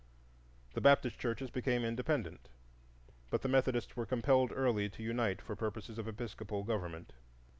The Baptist churches became independent, but the Methodists were compelled early to unite for purposes of episcopal government.